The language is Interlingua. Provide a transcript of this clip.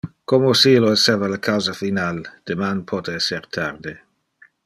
Como si illo esseva le causa final; deman pote esser tarde.